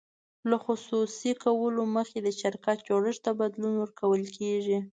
له خصوصي کولو مخکې د شرکت جوړښت ته بدلون ورکول کیږي.